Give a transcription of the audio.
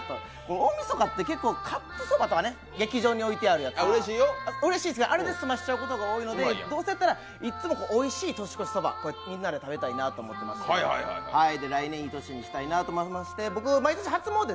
大みそかって結構カップそばとか、劇場に置いてあるの、あれうれしいんですけど、あれで済ませちゃうことが多いんでいっつもおいしい年越しそばをみんなで食べたいなと思ってまして来年いい年にしたいなと思いまして毎年初詣で